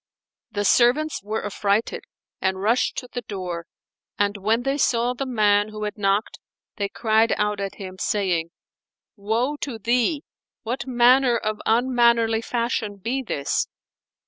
The servants were affrighted and rushed to the door, and when they saw the man who had knocked they cried out at him, saying, "Woe to thee! what manner of unmannerly fashion be this?